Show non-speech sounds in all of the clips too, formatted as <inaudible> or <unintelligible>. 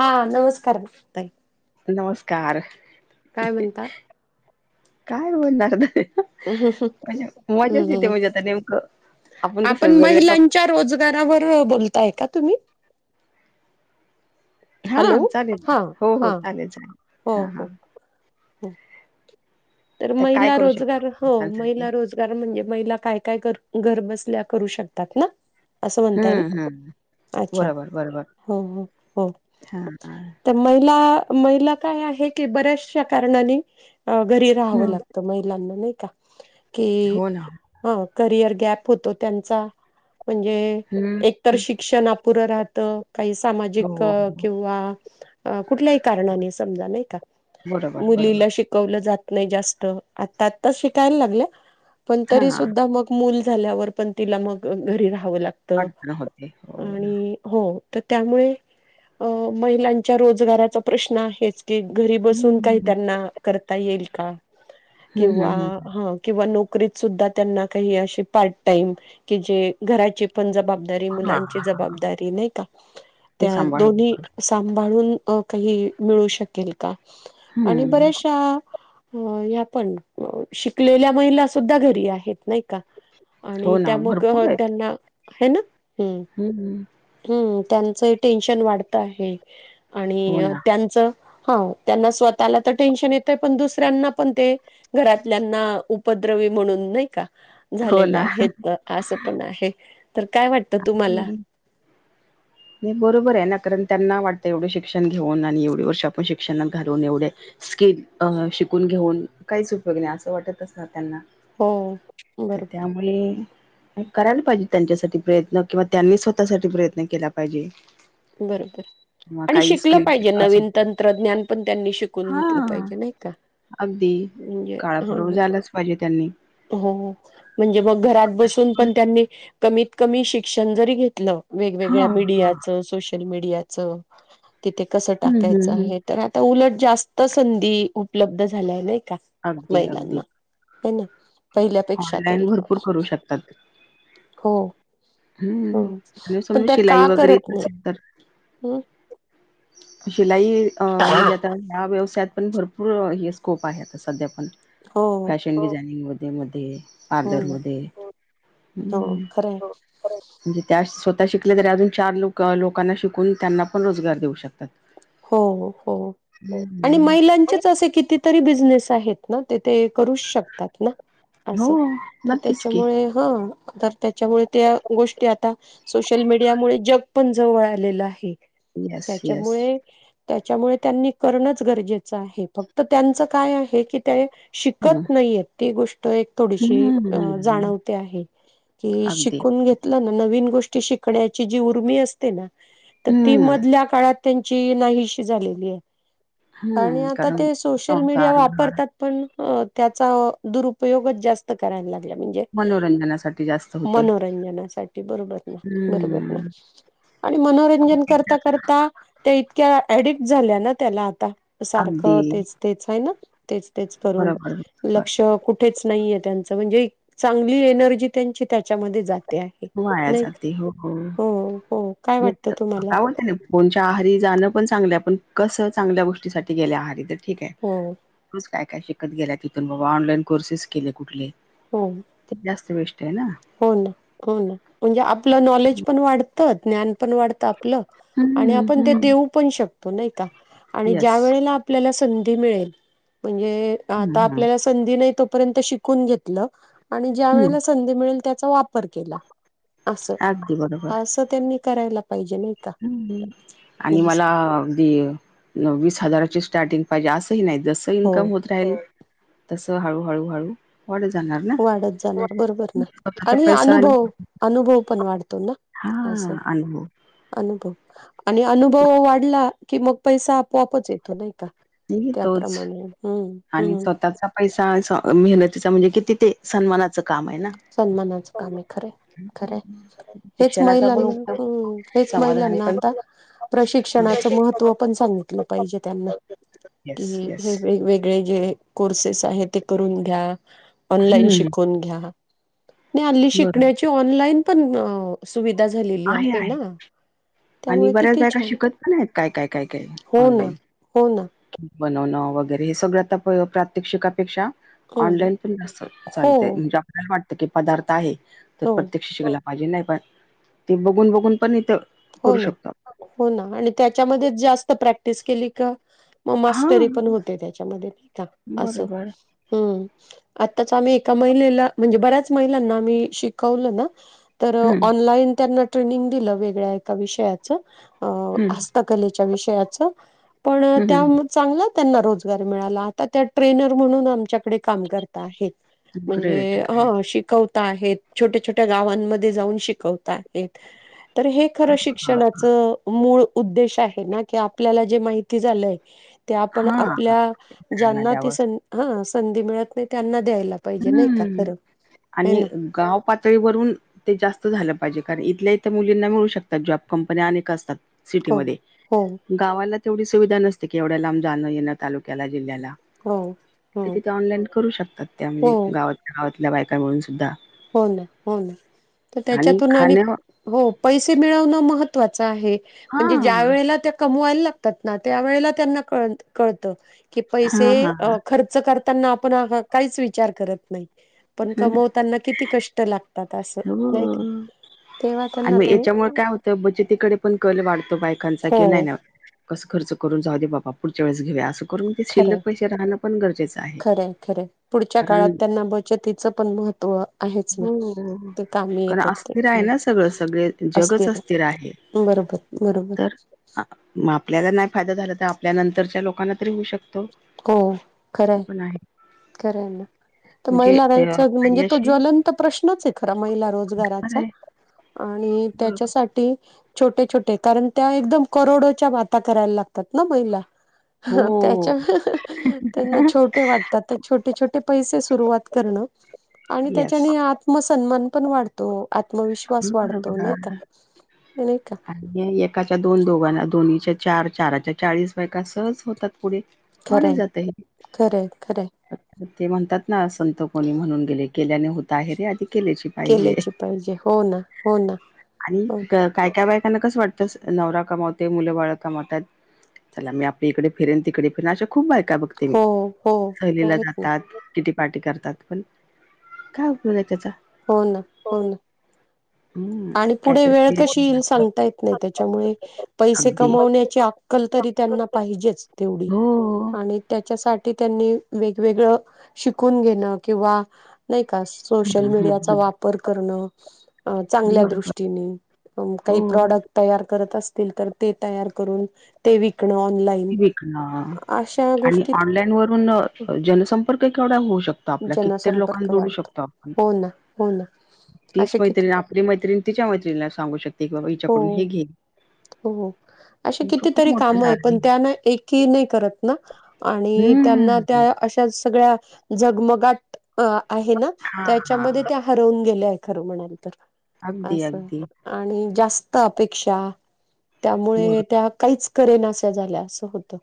हा नमस्कार बघ ताई नमस्कार काय म्हणता? काय बोलणार आता मी म्हणजे मजाच येते हम्म म्हणजे आता नेमकं आपण कसं वेगळ्या टॉप च्या रोजगारावर बोलताय का तुम्ही? हा हॅलो चालेल, हा हो हो हा चालेल, हो चालेल हा हो हा हो तर काय महिला करू रोजगार हो शकतो महिला रोज कारण म्हणजे महिला काय काय घरबसल्या करू शकतात ना? असं म्हणताय ना हम्म हम्म अच्छा बरोबर बरोबर हो हो हो हा तर महिला महिला काय आहे की बऱ्याचशा कारणाने घरी. राहावं हम्म लागतं महिलांना नाही का? कि हो ना हा करिअर गॅप होतो त्यांचा म्हणजे? एक तर हम्म शिक्षण अपुर राहत काही सामाजिक हो अ किंवा? अ कुठल्याही कारणाने समजा, नाही का? बरोबर मुलीला बरोबर शिकवलं जात. नाही जास्त आत्ता आत्ता शिकायला लागल्या पण तरी हा सुद्धा मग मूल झाल्यावर पण तिला मग घरी राहावं लागत अडचण होते हो ना आणि. हो तर त्यामुळे अ महिलांच्या रोजगाराचा प्रश्न आहेच. तेघरी बसून काही हम्म त्यांना करता येईल का हम्म किंवा हम्म ह किंवा नोकरीत सुद्धा त्यांना काही अशी काही अ पार्ट टाईम कि जे. घराची पण जबाबदारी हा मुलांची जबाबदारी नाही का? ते त्या सांभाळून दोन्ही. सांभाळुन अ काही मिळूं शकेल का आणि हम्म बऱ्याचशा. हो या पण शिकलेल्या महिला सुुद्धा घरी आहेत नाही का? का हो आणि ना त्या मग भरपूर आहेत त्यांना है ना? हु हम्म हम् हम्म त्यांचं टेन्शन वाढत आहे हो आणि ना त्यांचं हा. त्यांना स्वतःला तर टेन्शन येतंय पण दुस. ऱ्यांना पण ते घरातल्याना उपद्रवी म्हणून नाही का? हो झालेले आहेत असं पण आहे तर काय वाट? ह बरोबर आहे ना कारण त्यांना वाटतं एवढ शिक्षण घेऊन आणि एवढे वर्ष आपण शिक्षणात घालून एवढे. स्किल अ शिकून घेऊन काहीच उपयोग नाही असं वाटत असनार त्यांना. हो बरोबर. हम्म करायला पाहिजे त्यांच्यासाठी. प्रयत्न किंवा त्यांनी स्वतःसाठी प्रयत्न केला पाहिजे. बरोबर. किंवा आणि काही शिकलं स्किल पाहिजे अस नवीन तंत्रज्ञान पण त्यांनी शिकून हा घेतलं पाहिजे नाही का? अगदी म्हणजे ह काळाबरोबर जायलाच पाहिजे त्यांनी. हो म्हणजे मग घरात बसून पण त्यांनी कमीत कमी शिक्षण जरी घेतलं. हा वेगवेगळ्या मीडियाचं सोशल मीडियाचं तिथे कसं हम्म टाकायचं हम्म हम्म आहे. तर आता उलट जास्त संधी उपलब्ध झाल्या नाही का? महिलांना आहे ना. पहिल्यापेक्षा ऑनलाइन तरी भरपूर करू शकतात. हो हम्म हो आणि पण समजू त्या शिलाई का वगैरे करत नाही च तर. हम् शिलाई अं म्हणजे आता ह्या व्यवसायात पण भरपूर हे स्कोप आहे. सध्या आपण. हो डिझानिंग मध्ये मध्ये हो पार्लर ना मध्ये हो हो हुम खरंय हो हो म्हणजे त्या स्वतः शिकले तरी अजून चार लोक लोकांना शिकून त्यांना पण रोजगार देऊ शकतात. हो हो हो हो. आणि हम्म महिलांचेच असे किती? किती तरी बिजनेस आहेत ना करूच शकतात ना अस, हो तर नक्कीच की त्याच्यामुळे? हा तर त्याच्यामुळे त्या गोष्टी आता. सोशल मीडियामुळे जग पण जवळ आलेलं आहे. Yes yes. त्याच्यामुळे त्याच्यामुळे त्यांनी करणंच गरजेचं आहे फक्त त्यांचं काय आहे की ते? हम्म शिकत नाहीयेत. ती गोष्ट एक थोडीशी अ हम्म जाणवते आहे की अगदी शिकून घेत नवीन गोष्टी शिकण्याची उर्मी असते ना तर ती हम्म मधल्या काळात. ची नाहीशी झालेली आहे आणि हम्म आता कारण ते सोशल मीडिया संसार घर वापरतात पण अ त्याचा अ दुरुपयोगच जास्त करायला लागला म्हणजे मनोरंजनासाठी जास्त होतोय मनोरंजनासाठी बरोबर ना बरोबर ना हम्म. आणि मनोरंजन करता करता त्या इतक्या ऍडिक्ट झाल्या ना त्याला आता अगदी सारखं तेच- तेच आहे ना तेच- तेच करून बरोबर बरोबर लक्ष कुठेच नाहीय त्यांच म्हणजे चांगली एनर्जी त्यांची त्याच्यामध्ये जाते ते आहे वाया नाही का? हो.. हो.. का <inaudible> आवाडतें ना कोणच्या आहारी जाणं पण चांगलं पण कसं चांगल्या गोष्टीसाठी गेल्या आहारी तर ठीक आहे. हो तुच काय काय शिकत गेला तिथून बाबा ऑनलाईन कोर्सेस केले कुठले हो ते जास्त बेस्ट आहे ना हो.. ना.. हो.. ना.. म्हणजे आपलं नॉलेज पण वाढतं ज्ञान पण वाढतं आपलं आणि हम्म आपण ते हम्म. देऊ पण शकतो नाही का आणि येस ज्या वेळेला आपल्याला संधी मिळेल म्हणजे अ हम्म आता हम्म आपल्याला स संधी नाही तोपर्यंत शिकून घेतलं आणि ज्या हम्म वेळेला संधी मिळेल त्याचा वापर केला. अस अगदी असं त्यांनी करायला पाहिजे नाही का हम, आणि मला हो अगदी वीस हजाराची स्टार्टिंग पाहिजे असंही नाही जसं इन्कम होत राहिल, तस हळू हळू वाढ जाणार ना वाढत जाणार बरोबर ना स्वतःचा आणि पैसा अनुभव, अनुभव पण वाढतो ना हा असं अनुभव अनुभव आणि अनुभव वाढला की मग पैसा आपोआपच येतो नाही का नाही तोच त्याप्रमाणे हम्म आणि हम्म स्वतःचा पैसा ऐसा मेहनतीचा म्हणजे किती ते सन्मानात च काम आहे ना सन्मानाचं काम आहे खरयं खरंय हेच शिक्षणाचा पण महिलाना उपयोग हम हेच समाधान महिलाना पण आता प्रशिक्षणाचं ह महत्त्व पण सांगित सांगितलं पाहिजे त्यांना, येस कि हे येस वेगवेगळे जे कोर्सेस आहे ते करून घ्या, ऑनलाईन हम्म. शिकवून घ्या. नाही हल्ली बरोबर शिकण्याची ऑनलाईन पण अ सुविधा झालेली आहे ना. आणि त्यामुळे बऱ्याच किती बायका छान शिकत पण आहेत काय- काय, काय -काय हो ना ऑनलाईन हो ना बनवणं वगैरे हे सगळ आता प्रात्यक्षिकापेक्षा हो ऑनलाईन पण जास्त हो चालतय म्हणजे आपल्याला वाटत की पदार्थ आहे तर हो प्रत्येक शिक्षकला माझी नाही पण ते बघून बघून पण इथं हो करू ना, शकतो. हो ना आणि त्याच्यामध्येच जास्त प्रॅक्टिस केली का मग हा मास्टरी पण होते त्याच्यामध्ये नाय का असं बरोबर हम्म आत्ताच आम्ही एका महिलेला म्हणजे बऱ्याच महिलांना आम्ही शिकवलं ना तर हम्म ऑनलाईन त्यांना ट्रेनिंग दिलं वेगळ्या एका विषयाचं अ हस्त हम्म हस्तकलेच्या विषयाच पण त्या हम्म चांगला त्यांना रोजगार मिळाला आता त्या ट्रेनर म्हणून आमच्याकडे काम करता आहेत म्हणजे ग्रेट ग्रेट ह शिकव ता आहेत छोट्या छोट्या गावांमध्ये जाऊन शिकवता आहेत तर हे खंर हा शिक्षणाचं मूळ उद्देश आहे नां की आपल्याला जे माहिती झालंय ते आपण हा. आपल्या त्यांना ज्यांना ती द्यावं सं हं संधी मिळत नाही त्यांना द्यायला पाहिजे नाही का हुं खरं आहे आणि ना गाव पातळीवररून तें जास्त झालं पाहिजे कारण इथल्या इथं मुलींना मिळू शकतात जॉब कंपन्या अनेक असतात. हो सिटीमध्ये हो गावाला तेवढी सुविधा नसते की एवढ्या लांब जाणं येणं तालुक्याला जिल्ह्याला. हो हो तिथे ते ऑनलाईन करू शकतात. त्या हो म्हणजे गावात गावातल्या बायका मिळून सुद्धा. हों नां हों नां तर त्याच्यातून आणि हों पैसे मिळवणं महत्वाचं आहे. हा म्हणजे ज्यावेळीला त्या कमवायला लागतात नां त्या वेळेला त्यांना क कळत. की पैसे हा हा खर्च करताना आपण काहीच विचार करत नाही पण कमव त्यांना किती कष्ट लागतात असं नाही का हो तेव्हा त्यांना ते तर बचतीकडे पण कल वाढतो बायकांचा हो कि नाय ना कसं खर्च करून जाऊ दे बाबा पुढच्या वेळेस घेऊया असं करून ते शिल्लक खरेयं पैसे राहणं पण गरजेचं आहे खरेयं खरेयं पुढच्या काळात कारण त्यांना बचतीचं पण महत्त्व आहेच न हुं हुं हुं कारण अस्थिर आहे ना सगळं सगळे जगच असतील अस्थिर आहे. बरोबर! बरोबर! हां म आपल्याला नाय फायदा झाला तर आपल्या नंतरच्या लोकांना तरी होऊ शकत. हों खरंय खरेयं ना तो म्हणजे अ, महिलाराचा म्हणजे तो अय्याशी ज्वलन तो प्रश्नचयं खरा महिला खरं रोजगाराचा आहे. आणि बरोबर. त्याच्यासाठी छोटे छोटे कारण त्या एखदम करोडोच्या बाता करायला लागतात ना महिला. हों. त्याच्या <unintelligible> त्यांना छोटे वाटतात तर छोटे पैसे सुरुवात करणं. आणि येस. त्याच्याने आत मग सन्मान पण वाढतो अगदी आत्मविश्वास वाढतो नायी का? नायी का? ए एकाच्या दोन दोघांना दोन्हीच्या चार चाराच्या चाळीस बायका सहज होतात पुढे. वाढत खरंय जातय. खरंय खरंय तें म्हणतात नां संत कोणी म्हणून गेले केल्याने होत आहे रे आधी केल्याची पाहिजे. केल्याची पाहिजे हों नां हों नां हो काय काय बायकांना कसं वाटतं स नवरा कमावते मुलं बाळ कमावतात चला मी आपली इकडे फिरेन तिकडे फिरेन अशा खूप बायका बघते मी हो हो सहलीला आहेत ना जातात किटी पार्टी करतात पण काय उपयोग त्याचा. हों नां हों नां. <inaudible> आणि पुढे वेळ काहीतरी कशी येईल सांगता येत नाही त्याच्यामुळे पैसे अगदी हो. कमवण्याची अक्कल तरी त्यांना पाहिजेच तेवढी हो. आणि त्याच्यासाठी त्यांनी वेगवेगळ शिकून घेणं किंवा नायी का सोशल हं, हं, मडियाचा हं वापर अं चांगल्या बरोबर दृष्टीने हो काही प्रॉडक् क्ट तयार करत असतील तर ते तयार करून ते विकणं आ विकन आणि ऑनलाईन वरून अं जनसंपर्क केवढा होऊ शक तो आपल्या कितीतर लोकांना जनसंपर्क जोडू वाढतो शकतो आपण हो ना हो ना तीच असे किती मैत्रीणी आ ती मैत्रिण तिच्या मैत्रिणीला सांगू शक हों हों अशी तुमचं खूप कितीतरी मोठं झाड कामयतं आहे. पण त्यांना एक की नाही करत ना आणि त्यांना हम्म त्या अशा सगळ्या झगमगाट आहे ना हां, त्याच्या हां मध्ये त्या हरवून गेल्याय खर म्हणायला तर अगदी, अस अगदी आणि जास्त अपेक्षा त्यामुळे बरोबर. त्या काहीेच करेणाश्या झाल्या अस होत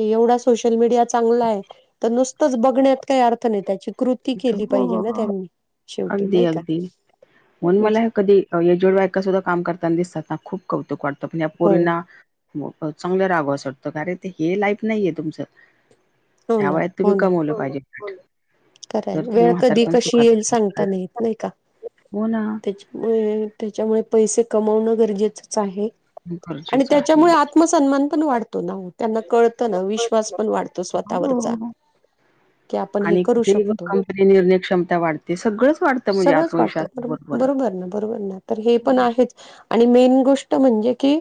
एवढा सोशल मीडिया चांगला आहे तर नुस तच बघण्यात काही अर्थ नाही त्याची कृती केली पाहिजे हो ना त्यांनी शेवटी अगदी नाही का अगदी म्हणून म्हणजे मला कधी या एजेड बायका सुद्धा काम करताना दिसतात ना खूप कौतुक वाटत पण या हो पोरींना चांगल राहाव अस वाटत आरे ते हे लाईफ नाहीये तुमच. हो ह्या ना वयात तुम्ही कमवल पाहिजे. खरय तर तुम्ही वेळ म्हातार कधी, पण कशी सुखात येईल राहू सांगता शकाल नाही येत नाही का हो ना त्याची? त्याच्यामुळ पैसे कमावण गरजेचच आहे. अगदी खरय. आणि त्याच्यामुळे आत्मसन्मान पण वाढतो ना? हो, त्यांना कळत ना, विश्वास पण वाढतो स्वतःवरचा. <inaudible> की आपण हे करू शकतो. आपली निर्णय क्षमता वाढते, सगळच वाढत म्हणजे सगळंच वाटतं आत्मविश्वासा ब बरोबर. बरोबर ना, तर हे पण आहेच आणि मेन गोष्ट म्हणजे की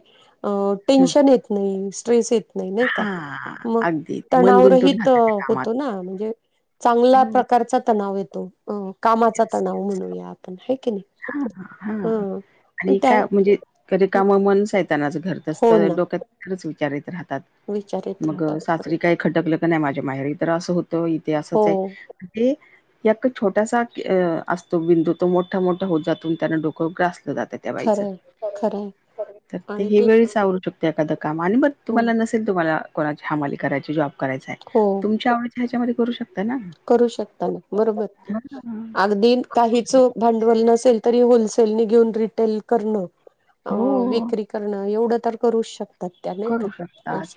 टेन्शन येत नाही, स्ट्रेस येत नाही, नाही. हा मग अगदी मन तणाव गुंतून रहित राहतं त्या कामात होतो ना, म्हणजे चांगला प्रकारचा तणाव येतो, कामाचा तणाव म्हणूया आपण, आहे की नाही? ह आणि त्या का म्हणजेे रिकाम मन सैतानाच घर. घर <unintelligible> हो तर ना डोक्यात <unintelligible> विचार येत राहतात. विचार येत मग राहतात सासरी परत काय? खटकल का नाही माझ्या माहेरी तर अस होत इथे असच आहे. हो ते एक छोटासा असतो बिंदू, तो मोठा मोठा होत जातो आणि त्यान डोक ग्रासल. त्या बाईच खरंय खरंय तर ते ही वेळ सावरू शकत एखाद काम आणि ब हो तुम्हाला नसेल, तुम्हाला कोणाची हमाली करायची, जॉब करायचाय हो तुमच्या आवडीच ह्याच्यामध्ये करू शकता ना? करू शकता ना, बरोबर हां. काहीच भांडवल नसेल तरी होलसेल ने घेऊन रिटेल करण हो विक्री करण. करण एवढ तर करूच शकतात त्या, नाही का? करू शकतात. अस.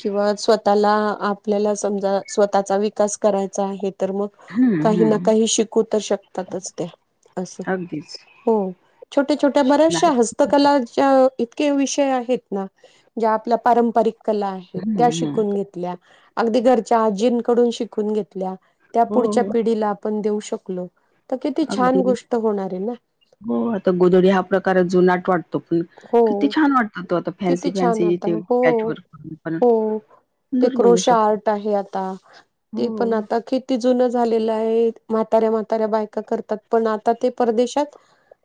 किंवा स्वतःला, आपल्याला समजा स्वतःचा विकास करायचा आहे. तर मग हम्म काही ना हम्म काही शिकू तर शकतातच ते. अस अगदीच. हो, छोट्या-छोट्या नाही बऱ्याचश्या हस्तकला. इतके विषय आहेत ना, ज्या आपल्या पारंपरिक कला आहेत, हम्म त्या हम्म शिकून घेत अगदी घरच्या आजींकडून शिकून घेतल्या त्या हो पुढच्या हो पिढीला आपण देऊ शकलो, तर किती छान अगदी. गोष्ट होणार आहे ना? हो आता गोधडी हा प्रकार जुनाट वाटतो. तो पण किती हो, छान वाटतो तो, आता फॅन्सी किती छान फॅन्सी आता. ते हो, पॅचवर्क पण. हो. ते सुंदर बनवू शकतो. क्रोशाआर्ट आहे आता हो. ते पण आता कि ती जुन झालेल आहे. म्हाताऱ्या म्हाताऱ्या बायका करतात पण, आता ते परदेशात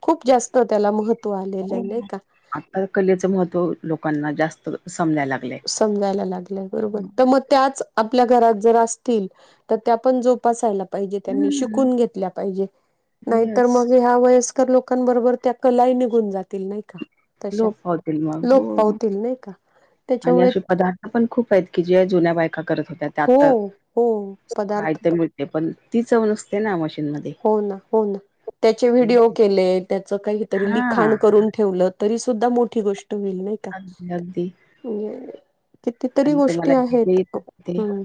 खूप जास्त त्याला महत्व आलेल हो आहे ना. नाही का? आता कलेच महत्त्व लोकांना जास्त समजायला लागल आहे. समजायला लागलय बरोबर तर मग त्याच आपल्या घरात जर असतील, तर त्या पण जोपासायला पाहिजे त्यांनी हं, शिकून घेतल्या पाहिजे, त्यांनी नाही तर येस. मग हे ह्या वयस्कर लोकांबरोबर त्या कलाही निघून जातील नाही का? तश्या लोप पावतील मग. हो लोपपावतील नाही का? आणि त्याच्यामुळे अशे पदार्थ पण खूप आहेत की जे जुन्या बायका करत होत् त्या आता हो हो हाय पदार्थ तर मिळते पण, ती चव नसते ना. मशीनमध्ये. हो ना हो ना, त्याचे व्हिडिओ केले, त्याचं काहीतरी लिखाण हां, करून ठेवलं तरी सुद्धा मोठी गोष्ट होईल नाही त्या अगदी, अगदी म्हणजे कितीतरी आणि गोष्टी तुम्हाला जे आहेत येतं ते हम्म.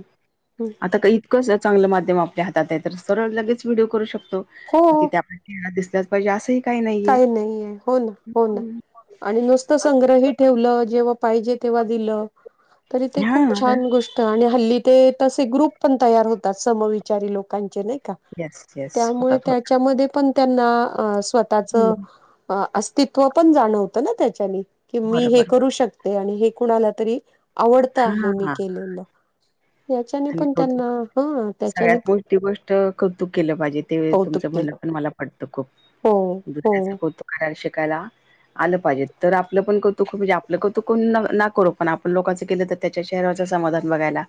आता का इतकं चांगलं माध्यम आपल्या हातात आहे, तर सरळ लगेच व्हिडिओ करू शक तो तिथे <inaudible> हो चेहरा दिसल्याच पाहिजे असही काही न काही नाही आहे हो ना हो ना. आणि नुसतं संग्रह ही ठेवलं जेव्हा पाहिजे तेव्हा दिलं तरी ते खूप हां, छान गोष् ट आणि हल्ली ते तसे ग्रुप पण तयार होतात समविचारी लोकांचे नाही का? Yes, yes. त्यामुळे होतात, होतात. त्याच्यामध्ये पण त्यांना अ स्वतःच हं. अस्तित्व पण जाणवतं ना त्याच्याने की मी हे बरोबर. करू शक ते आणि हे कुणाला तरी आवडता आहे मी हां केलेलं. याच्याने आणि पण त्यांना हा सगळ्यात त्याच्याने मोठी गोष्ट कौतुक केलं पाहिजे ते कौतुक तुमचं म्हणणं केलं पण मला वाटतं खूप हो दुसऱ्याचा हो कैतुक करायला शिकायला. आलं पाहिजे तर आपलं पण कौतुक म्हणजे आपलं कौतुक कोण ना ना करू पण आपल लोकांचं केलं तर त्याच्या शहरावाचा समाधान बघायला.